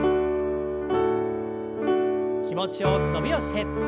気持ちよく伸びをして。